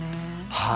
はい。